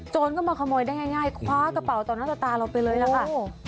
ก็มาขโมยได้ง่ายคว้ากระเป๋าต่อหน้าต่อตาเราไปเลยล่ะค่ะ